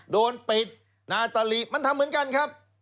โดนปิดนาตลิมันทำเหมือนกันครับ